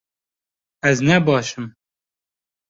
Ez ne baş im